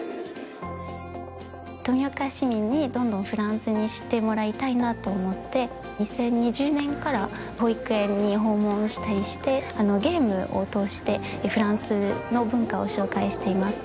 富岡市民にどんどんフランス知ってもらいたいなと思って２０２０年から保育園に訪問したりしてゲームを通してフランスの文化を紹介しています